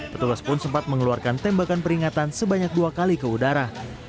petugas pun sempat mengeluarkan tembakan peringatan sebanyak dua kali ke udara